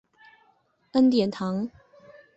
恩典堂。